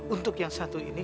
untuk yang satu ini